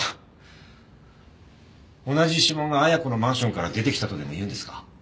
同じ指紋が綾子のマンションから出てきたとでも言うんですか？